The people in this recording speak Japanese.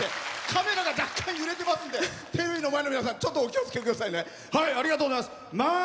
カメラが若干、揺れてますんでテレビの前の皆さんちょっとお気をつけくださいね。